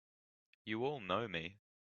You all know me!